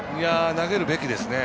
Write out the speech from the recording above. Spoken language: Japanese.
投げるべきですね。